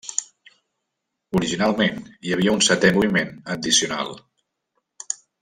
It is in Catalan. Originalment, hi havia un setè moviment addicional.